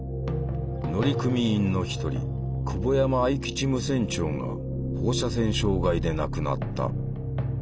乗組員の一人久保山愛吉無線長が放射線障害で亡くなった。